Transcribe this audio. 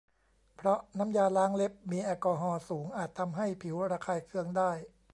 เพราะน้ำยาล้างเล็บมีแอลกอฮอล์สูงอาจทำให้ผิวระคายเคืองได้